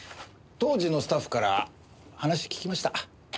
当時のスタッフから話聞きました。